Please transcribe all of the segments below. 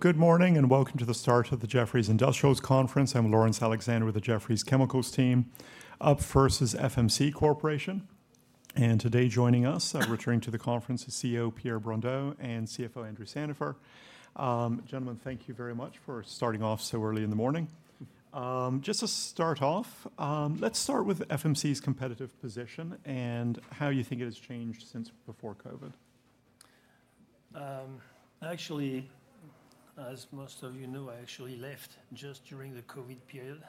Good morning, and welcome to the start of the Jefferies Industrials Conference. I'm Lawrence Alexander with the Jefferies Chemicals Team. Up first is FMC Corporation, and today joining us, returning to the conference is CEO Pierre Brondeau and CFO Andrew Sandifer. Gentlemen, thank you very much for starting off so early in the morning. Just to start off, let's start with FMC's competitive position and how you think it has changed since before COVID. Actually, as most of you know, I actually left just during the COVID period.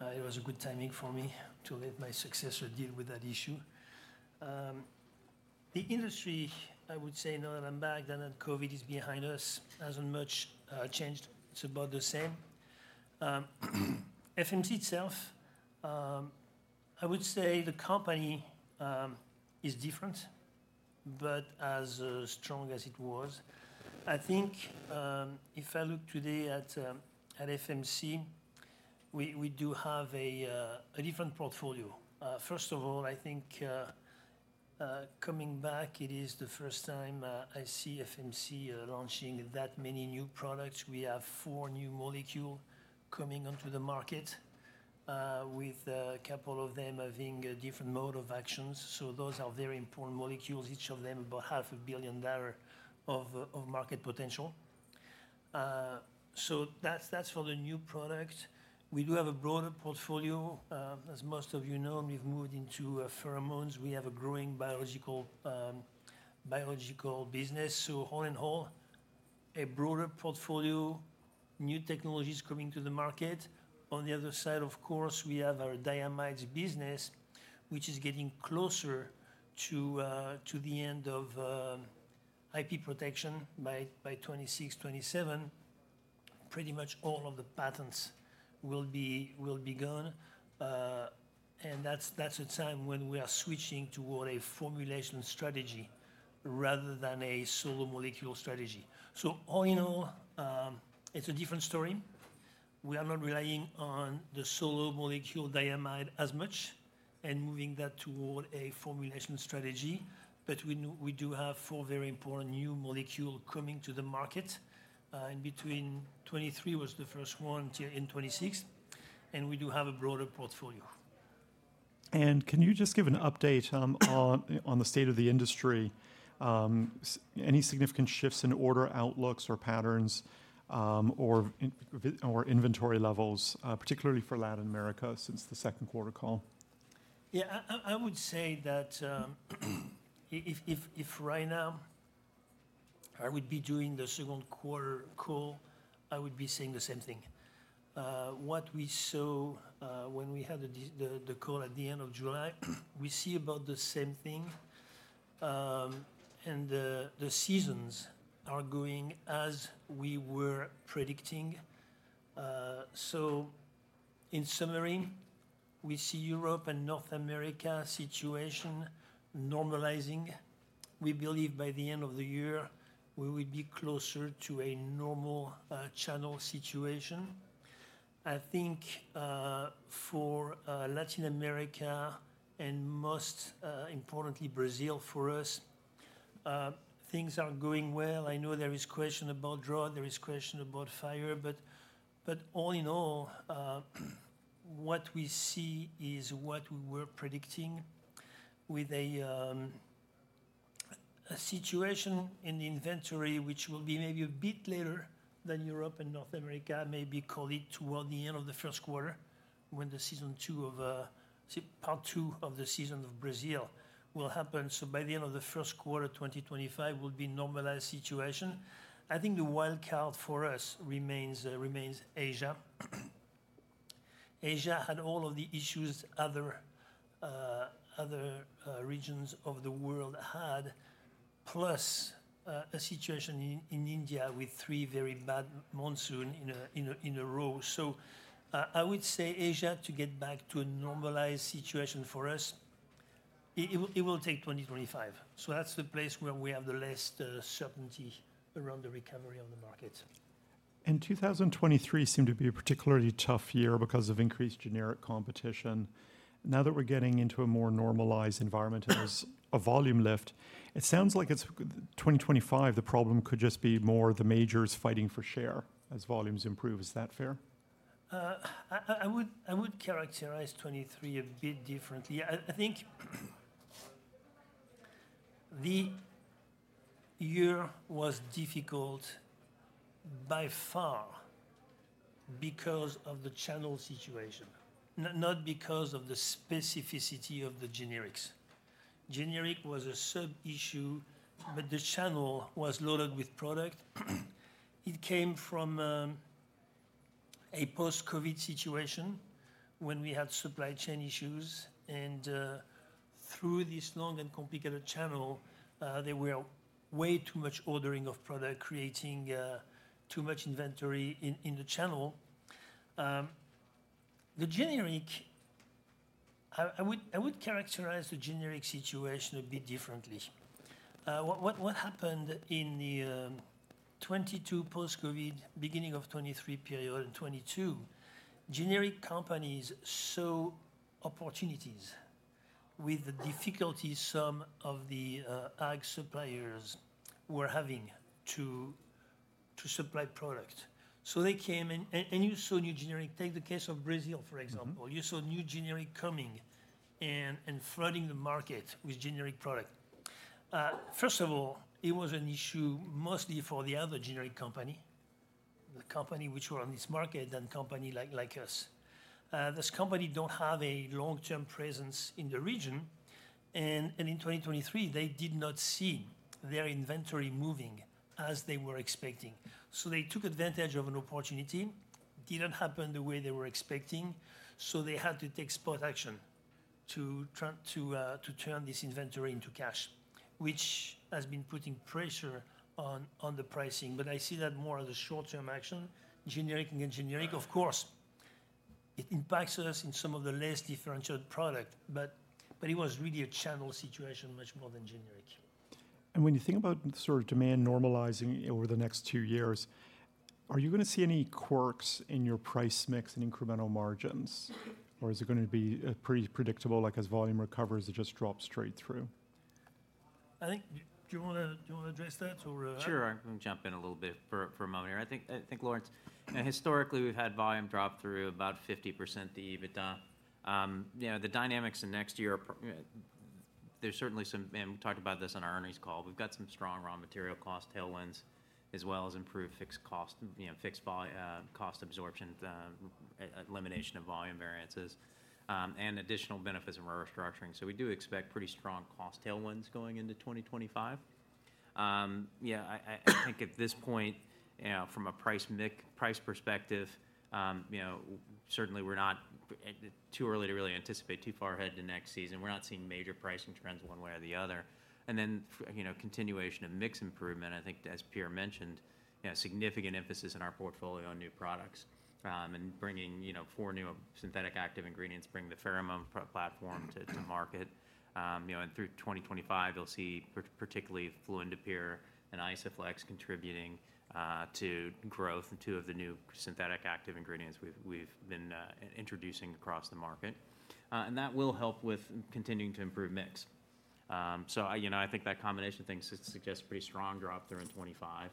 It was a good timing for me to let my successor deal with that issue. The industry, I would say now that I'm back, that now COVID is behind us, hasn't much changed. It's about the same. FMC itself, I would say the company is different, but as strong as it was. I think, if I look today at FMC, we do have a different portfolio. First of all, I think, coming back, it is the first time I see FMC launching that many new products. We have four new molecule coming onto the market, with a couple of them having a different mode of actions, so those are very important molecules, each of them about $500 million of market potential. So that's for the new product. We do have a broader portfolio. As most of you know, we've moved into pheromones. We have a growing biological business. So all in all, a broader portfolio, new technologies coming to the market. On the other side, of course, we have our diamides business, which is getting closer to the end of IP protection. By 2026, 2027, pretty much all of the patents will be gone. And that's a time when we are switching toward a formulation strategy rather than a solo molecule strategy. So all in all, it's a different story. We are not relying on the solo molecule diamide as much and moving that toward a formulation strategy. But we do have four very important new molecule coming to the market, in between 2023 was the first one till end 2026, and we do have a broader portfolio. And can you just give an update on the state of the industry? Any significant shifts in order outlooks or patterns, or inventory levels, particularly for Latin America since the second quarter call? Yeah, I would say that if right now I would be doing the second quarter call, I would be saying the same thing. What we saw when we had the call at the end of July, we see about the same thing. The seasons are going as we were predicting. So in summary, we see Europe and North America situation normalizing. We believe by the end of the year, we will be closer to a normal channel situation. I think for Latin America and most importantly, Brazil for us, things are going well. I know there is question about drought, there is question about fire, but all in all, what we see is what we were predicting with a situation in the inventory, which will be maybe a bit later than Europe and North America, maybe call it toward the end of the first quarter, when the second part of the season of Brazil will happen. So by the end of the first quarter, 2025 will be normalized situation. I think the wild card for us remains Asia. Asia had all of the issues other regions of the world had, plus a situation in India with three very bad monsoons in a row. So, I would say Asia, to get back to a normalized situation for us, it will take 2025. So that's the place where we have the least certainty around the recovery on the market. 2023 seemed to be a particularly tough year because of increased generic competition. Now that we're getting into a more normalized environment, there's a volume lift. It sounds like it's 2025, the problem could just be more the majors fighting for share as volumes improve. Is that fair? I would characterize 2023 a bit differently. I think the year was difficult by far because of the channel situation, not because of the specificity of the generics. Generic was a sub issue, but the channel was loaded with product. It came from a post-COVID situation when we had supply chain issues, and through this long and complicated channel, there were way too much ordering of product, creating too much inventory in the channel. I would characterize the generic situation a bit differently. What happened in the 2022 post-COVID, beginning of 2023 period and 2022, generic companies saw opportunities with the difficulties some of the ag suppliers were having to supply product. So they came and you saw new generic. Take the case of Brazil, for example- Mm-hmm. You saw new generic coming and flooding the market with generic product. First of all, it was an issue mostly for the other generic company, the company which were on this market, than company like us. This company don't have a long-term presence in the region, and in 2023, they did not see their inventory moving as they were expecting. So they took advantage of an opportunity, didn't happen the way they were expecting, so they had to take spot action to try to to turn this inventory into cash, which has been putting pressure on the pricing. But I see that more as a short-term action. Generic and generic, of course, it impacts us in some of the less differentiated product, but it was really a channel situation much more than generic. When you think about sort of demand normalizing over the next two years, are you gonna see any quirks in your price mix and incremental margins? Or is it gonna be pretty predictable, like as volume recovers, it just drops straight through? I think... Do you wanna address that or Sure, I can jump in a little bit for a moment here. I think, Lawrence, historically, we've had volume drop through about 50% the EBITDA. You know, the dynamics in next year are, there's certainly some, and we talked about this on our earnings call. We've got some strong raw material cost tailwinds, as well as improved fixed cost, you know, fixed cost absorption, elimination of volume variances, and additional benefits from our restructuring. So we do expect pretty strong cost tailwinds going into twenty twenty-five. Yeah, I think at this point, you know, from a price perspective, you know, certainly we're not too early to really anticipate too far ahead to next season. We're not seeing major pricing trends one way or the other. And then, you know, continuation of mix improvement. I think as Pierre mentioned, you know, significant emphasis in our portfolio on new products. And bringing, you know, four new synthetic active ingredients, bringing the Pheromone platform to market. You know, and through 2025, you'll see particularly Fluindapyr and Isoflex contributing to growth, two of the new synthetic active ingredients we've been introducing across the market. And that will help with continuing to improve mix. So, you know, I think that combination of things suggests pretty strong drop-through there in 2025,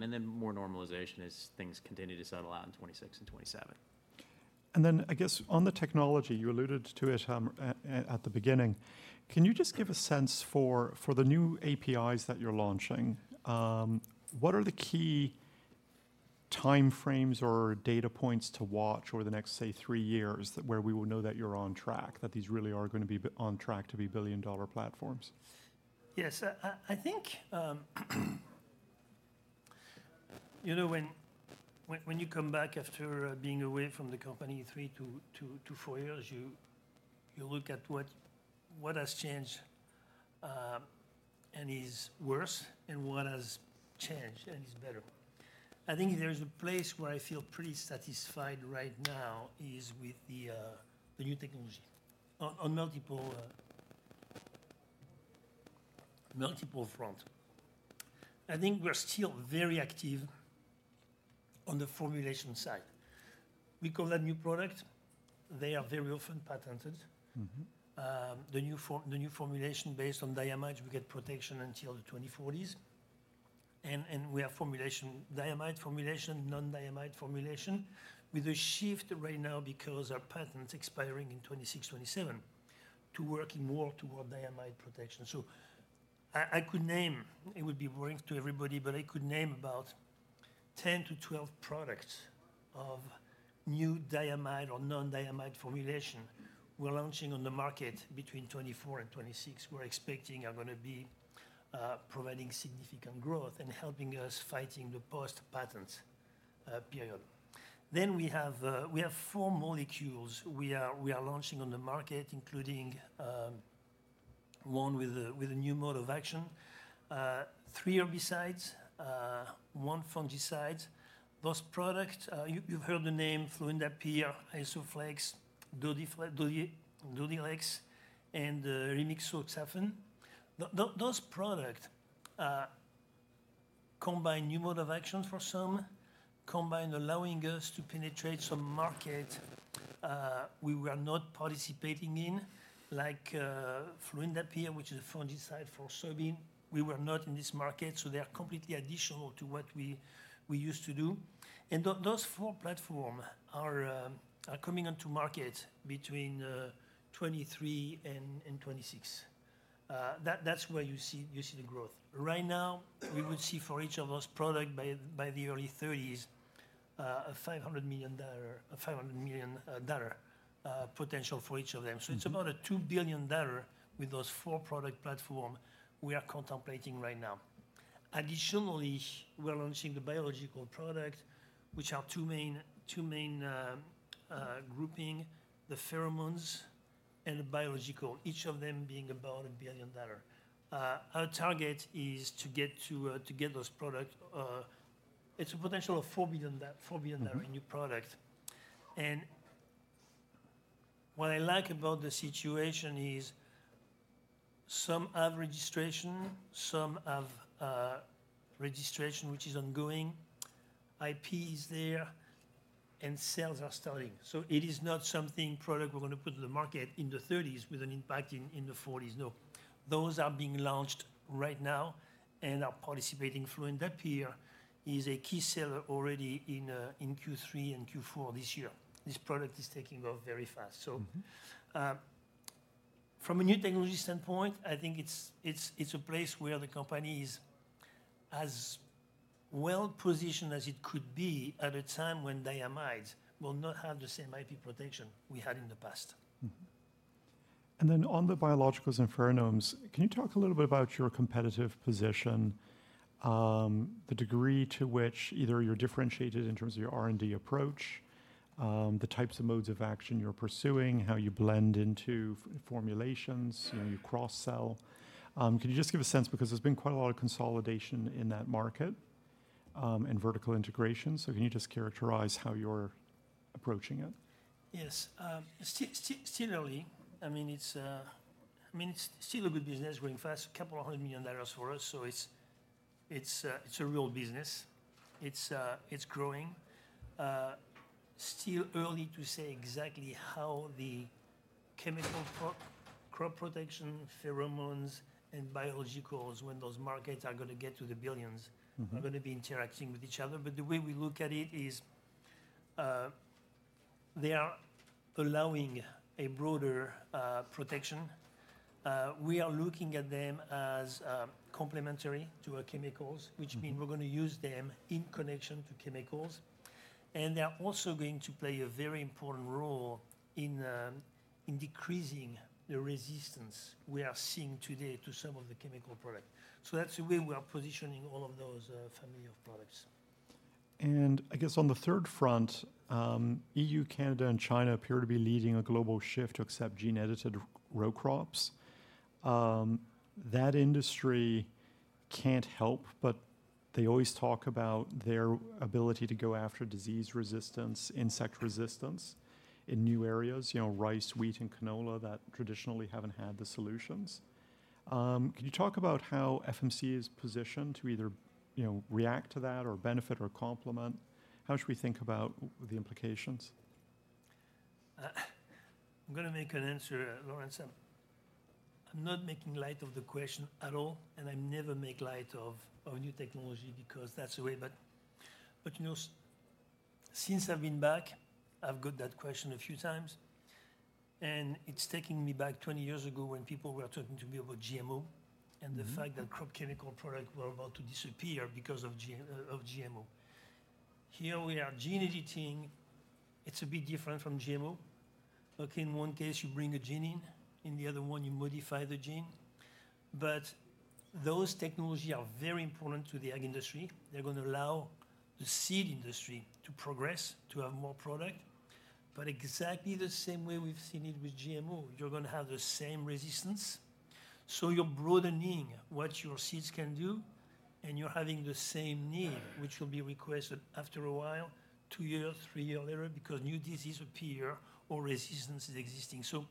and then more normalization as things continue to settle out in 2026 and 2027. And then I guess on the technology, you alluded to it, at the beginning. Can you just give a sense for the new APIs that you're launching, what are the key timeframes or data points to watch over the next, say, three years, that where we will know that you're on track, that these really are gonna be on track to be billion-dollar platforms? Yes, I think, you know, when you come back after being away from the company three to two to four years, you look at what has changed, and is worse, and what has changed and is better. I think if there is a place where I feel pretty satisfied right now is with the new technology on multiple front. I think we're still very active on the formulation side. We call that new product. They are very often patented. Mm-hmm. The new formulation based on diamide, we get protection until the 2040s, and we have formulation, diamide formulation, non-diamide formulation, with a shift right now because our patent's expiring in 2026, 2027, to working more toward diamide protection. I could name... It would be boring to everybody, but I could name about 10 to 12 products of new diamide or non-diamide formulation we're launching on the market between 2024 and 2026, we're expecting are gonna be providing significant growth and helping us fighting the post-patent period. We have four molecules we are launching on the market, including one with a new mode of action, three herbicides, one fungicide. Those product, you, you've heard the name Fluindapyr, Isoflex, Dodhylex, and Rimsulfuron. Those products combine new mode of action for some, combine allowing us to penetrate some market we were not participating in, like Fluindapyr, which is a fungicide for soybean. We were not in this market, so they are completely additional to what we used to do. Those four platforms are coming onto market between 2023 and 2026. That's where you see the growth. Right now, we would see for each of those products by the early thirties a $500 million potential for each of them. Mm-hmm. It's about a $2 billion with those four product platform we are contemplating right now. Additionally, we're launching the biological product, which are two main grouping, the pheromones and the biological, each of them being about $1 billion. Our target is to get those product. It's a potential of $4 billion. Mm-hmm. $4 billion new product. And what I like about the situation is some have registration, some have registration which is ongoing. IP is there, and sales are starting. So it is not something, product we're gonna put to the market in the thirties with an impact in the forties. No. Those are being launched right now and are participating. Fluindapyr is a key seller already in Q3 and Q4 this year. This product is taking off very fast. Mm-hmm. From a new technology standpoint, I think it's a place where the company is as well positioned as it could be at a time when diamides will not have the same IP protection we had in the past. Mm-hmm. And then on the biologicals and pheromones, can you talk a little bit about your competitive position, the degree to which either you're differentiated in terms of your R&D approach, the types of modes of action you're pursuing, how you blend into formulations, you know, you cross-sell? Can you just give a sense, because there's been quite a lot of consolidation in that market, and vertical integration, so can you just characterize how you're approaching it? Yes. Still early. I mean, it's still a good business, growing fast, $200 million for us, so it's a real business. It's growing. Still early to say exactly how the chemical crop protection, pheromones, and biologicals, when those markets are gonna get to the billions- Mm-hmm... are gonna be interacting with each other. But the way we look at it is, they are allowing a broader protection. We are looking at them as complementary to our chemicals- Mm-hmm... which mean we're gonna use them in connection to chemicals, and they're also going to play a very important role in in decreasing the resistance we are seeing today to some of the chemical product. So that's the way we are positioning all of those, family of products. I guess on the third front, EU, Canada, and China appear to be leading a global shift to accept gene-edited row crops. That industry can't help, but they always talk about their ability to go after disease resistance, insect resistance in new areas, you know, rice, wheat, and canola, that traditionally haven't had the solutions. Can you talk about how FMC is positioned to either, you know, react to that, or benefit or complement? How should we think about the implications? I'm gonna make an answer, Lawrence, and I'm not making light of the question at all, and I never make light of new technology, because that's the way... But you know, since I've been back, I've got that question a few times, and it's taking me back twenty years ago when people were talking to me about GMO- Mm-hmm... and the fact that crop chemical products were about to disappear because of GMO. Here we are, gene editing, it's a bit different from GMO. Okay, in one case you bring a gene in, in the other one you modify the gene. But those technology are very important to the ag industry. They're gonna allow the seed industry to progress, to have more product. But exactly the same way we've seen it with GMO, you're gonna have the same resistance. So you're broadening what your seeds can do, and you're having the same need, which will be requested after a while, two years, three year later, because new disease appear or resistance is existing. So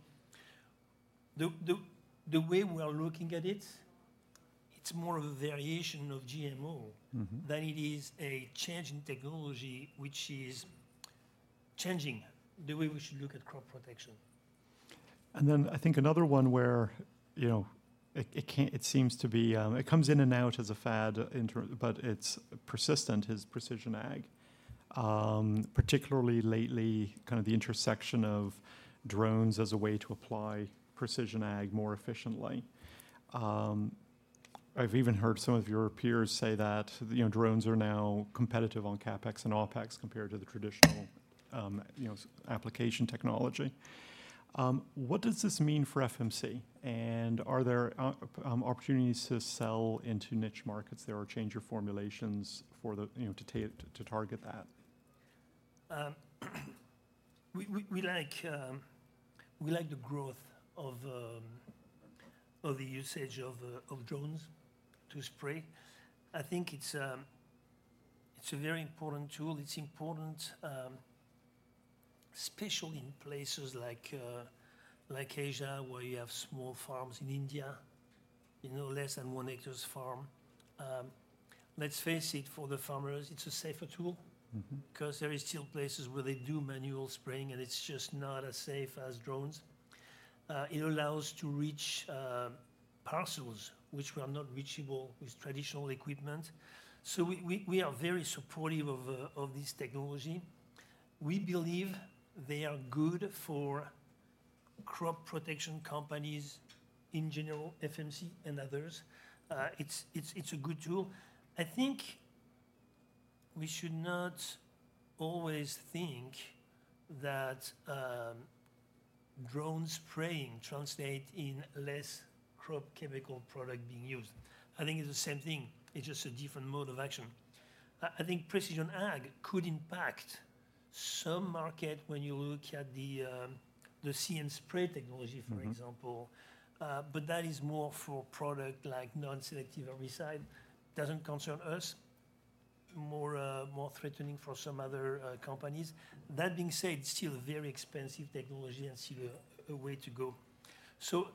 the way we are looking at it, it's more of a variation of GMO- Mm-hmm... than it is a change in technology, which is changing the way we should look at crop protection. And then I think another one where, you know, it seems to be, it comes in and out as a fad, but it's persistent, is precision ag. Particularly lately, kind of the intersection of drones as a way to apply precision ag more efficiently. I've even heard some of your peers say that, you know, drones are now competitive on CapEx and OpEx compared to the traditional, you know, application technology. What does this mean for FMC, and are there opportunities to sell into niche markets there or change your formulations for the, you know, to target that? We like the growth of the usage of drones to spray. I think it's a very important tool. It's important, especially in places like Asia, where you have small farms in India, you know, less than one acre farms. Let's face it, for the farmers, it's a safer tool. Mm-hmm. 'Cause there is still places where they do manual spraying, and it's just not as safe as drones. It allows to reach parcels which were not reachable with traditional equipment. So we are very supportive of this technology. We believe they are good for crop protection companies in general, FMC and others. It's a good tool. I think we should not always think that drone spraying translate in less crop chemical product being used. I think it's the same thing, it's just a different mode of action. I think precision ag could impact some market when you look at the See & Spray technology, for example. Mm-hmm. But that is more for product like non-selective herbicide. Doesn't concern us. More threatening for some other companies. That being said, it's still a very expensive technology and still a way to go. So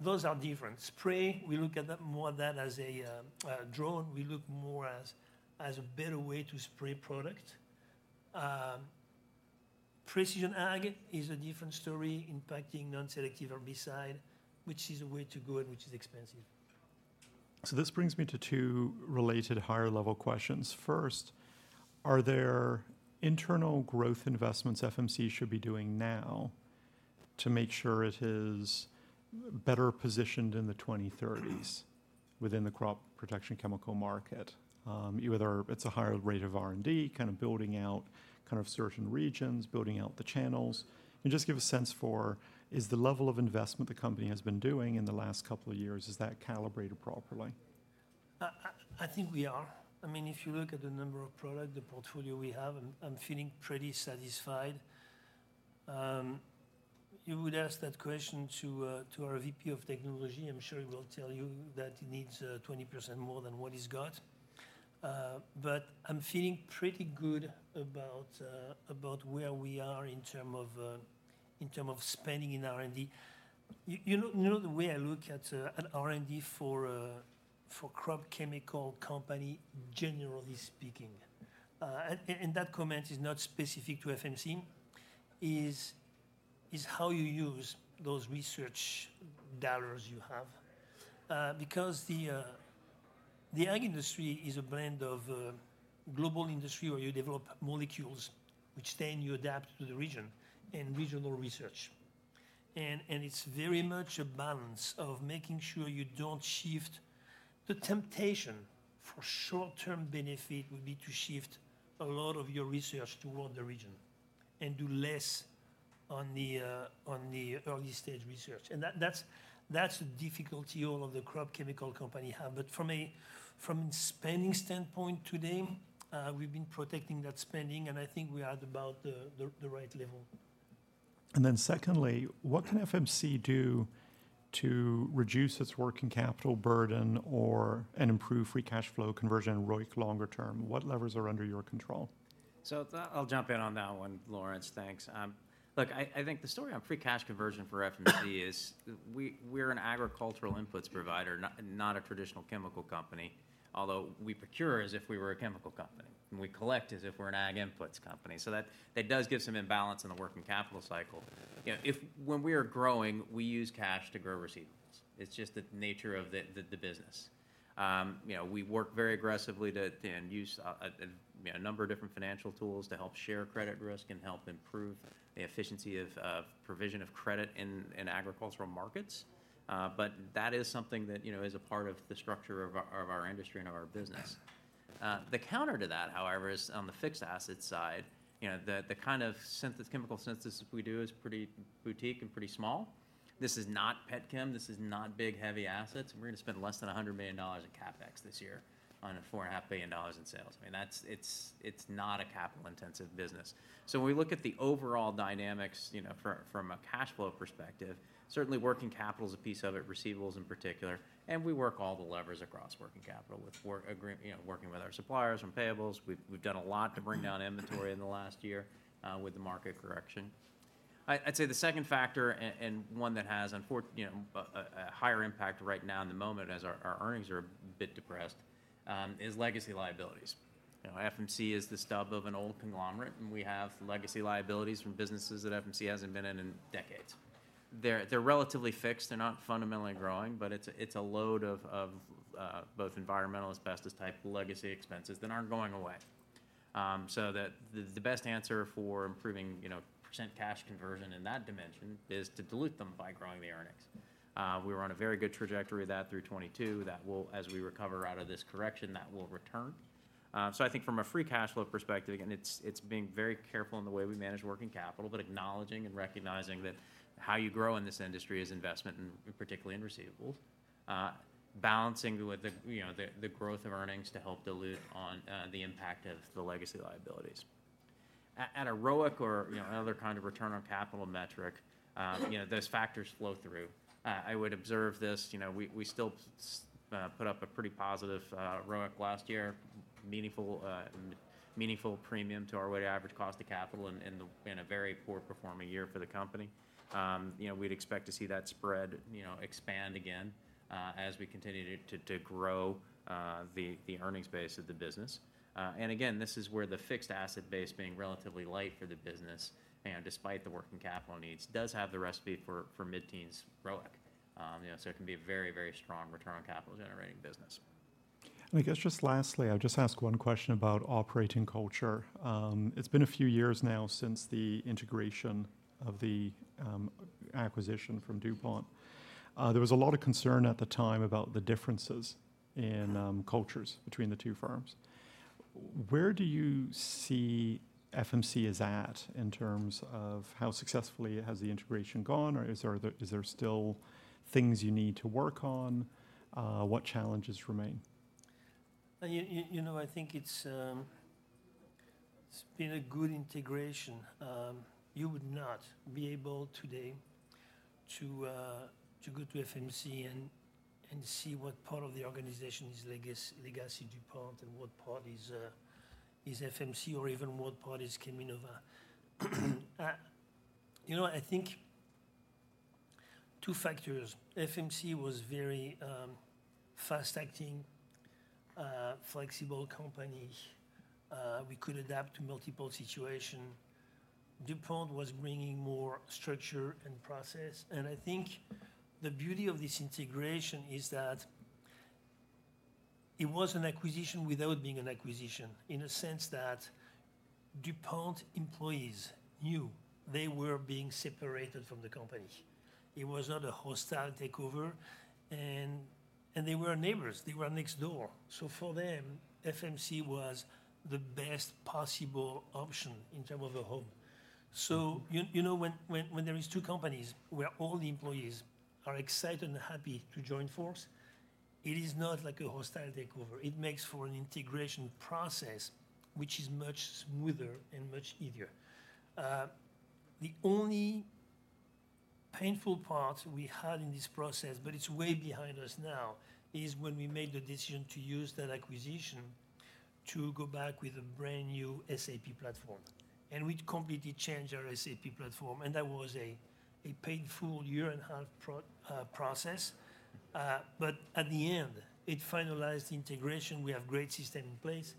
those are different. See & Spray, we look at that more than as a drone. We look more as a better way to spray product. Precision ag is a different story, impacting non-selective herbicide, which is a way to go and which is expensive. So this brings me to two related higher-level questions. First, are there internal growth investments FMC should be doing now to make sure it is better positioned in the twenty-thirties within the crop protection chemical market? Whether it's a higher rate of R&D, kind of building out kind of certain regions, building out the channels. And just give a sense for, is the level of investment the company has been doing in the last couple of years, is that calibrated properly? I think we are. I mean, if you look at the number of product, the portfolio we have, I'm feeling pretty satisfied. You would ask that question to our VP of Technology, I'm sure he will tell you that he needs 20% more than what he's got. But I'm feeling pretty good about where we are in terms of spending in R&D. You know, the way I look at an R&D for a crop chemical company, generally speaking, and that comment is not specific to FMC, is how you use those research dollars you have. Because the ag industry is a blend of global industry, where you develop molecules, which then you adapt to the region and regional research. It's very much a balance of making sure you don't shift. The temptation for short-term benefit would be to shift a lot of your research toward the region and do less on the early-stage research. That's a difficulty all of the crop chemical company have. From a spending standpoint today, we've been protecting that spending, and I think we are at about the right level. And then secondly, what can FMC do to reduce its working capital burden or and improve free cash flow conversion ROIC longer term? What levers are under your control? So I'll jump in on that one, Lawrence. Thanks. Look, I think the story on free cash conversion for FMC is we're an agricultural inputs provider, not a traditional chemical company, although we procure as if we were a chemical company, and we collect as if we're an ag inputs company. So that does give some imbalance in the working capital cycle. You know, when we are growing, we use cash to grow receivables. It's just the nature of the business. You know, we work very aggressively to use a number of different financial tools to help share credit risk and help improve the efficiency of provision of credit in agricultural markets. But that is something that, you know, is a part of the structure of our industry and of our business. The counter to that, however, is on the fixed asset side. You know, the kind of synthesis, chemical synthesis we do is pretty boutique and pretty small. This is not petchem. This is not big, heavy assets. We're gonna spend less than $100 million in CapEx this year on $4.5 billion in sales. I mean, that's it. It's not a capital-intensive business. So when we look at the overall dynamics, you know, from a cash flow perspective, certainly working capital is a piece of it, receivables in particular, and we work all the levers across working capital, you know, working with our suppliers and payables. We've done a lot to bring down inventory in the last year with the market correction. I'd say the second factor and one that has unfortunately you know a higher impact right now in the moment as our earnings are a bit depressed is legacy liabilities. You know, FMC is the stub of an old conglomerate, and we have legacy liabilities from businesses that FMC hasn't been in in decades. They're relatively fixed. They're not fundamentally growing, but it's a load of both environmental, asbestos-type legacy expenses that aren't going away. So the best answer for improving you know % cash conversion in that dimension is to dilute them by growing the earnings. We were on a very good trajectory of that through 2022. That will, as we recover out of this correction, that will return. So I think from a free cash flow perspective, and it's being very careful in the way we manage working capital, but acknowledging and recognizing that how you grow in this industry is investment in, particularly in receivables. Balancing with the, you know, the growth of earnings to help dilute on the impact of the legacy liabilities. At a ROIC or, you know, another kind of return on capital metric, those factors flow through. I would observe this, you know, we still put up a pretty positive ROIC last year, meaningful premium to our weighted average cost of capital in a very poor performing year for the company. You know, we'd expect to see that spread, you know, expand again as we continue to grow the earnings base of the business. Again, this is where the fixed asset base being relatively light for the business, and despite the working capital needs, does have the recipe for mid-teens ROIC. You know, it can be a very, very strong return on capital generating business. I guess just lastly, I'll just ask one question about operating culture. It's been a few years now since the integration of the acquisition from DuPont. There was a lot of concern at the time about the differences in cultures between the two firms. Where do you see FMC is at in terms of how successfully has the integration gone, or is there still things you need to work on? What challenges remain? You know, I think it's been a good integration. You would not be able today to go to FMC and see what part of the organization is Legacy DuPont, and what part is FMC or even what part is Cheminova. You know, I think two factors: FMC was very fast-acting, flexible company. We could adapt to multiple situation. DuPont was bringing more structure and process, and I think the beauty of this integration is that it was an acquisition without being an acquisition, in a sense that DuPont employees knew they were being separated from the company. It was not a hostile takeover, and they were neighbors. They were next door. So for them, FMC was the best possible option in term of a home. So you know, when there is two companies where all the employees are excited and happy to join forces, it is not like a hostile takeover. It makes for an integration process which is much smoother and much easier. The only painful part we had in this process, but it's way behind us now, is when we made the decision to use that acquisition to go back with a brand-new SAP platform, and we completely changed our SAP platform, and that was a painful year-and-a-half process. But at the end, it finalized the integration. We have great system in place.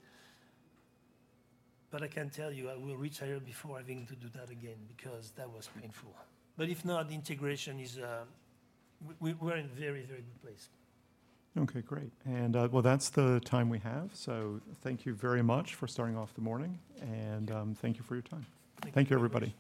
But I can tell you, I will retire before having to do that again, because that was painful. But if not, integration is... We're in a very, very good place. Okay, great. Well, that's the time we have, so thank you very much for starting off the morning, and thank you for your time. Thank you. Thank you, everybody.